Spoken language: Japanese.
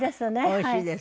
おいしいです。